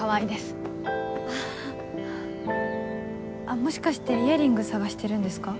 もしかしてイヤリング捜してるんですか？